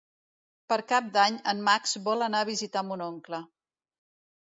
Per Cap d'Any en Max vol anar a visitar mon oncle.